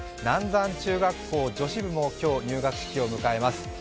南山中学校女子部も今日、入学式を迎えます。